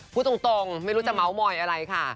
พูดตรงไม่รู้จะเมาส์มอยอะไรค่ะ